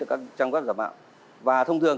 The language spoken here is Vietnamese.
được các trang web giả mạo và thông thường